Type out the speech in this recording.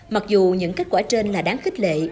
mặc dù những kết quả trên là đáng khích lệ